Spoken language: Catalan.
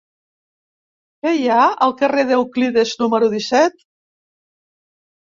Què hi ha al carrer d'Euclides número disset?